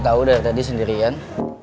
kau udah tadi sendirian